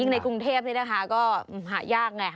ยิ่งในกรุงเทพก็หายากเนี่ย